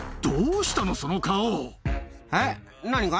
えっ？何が？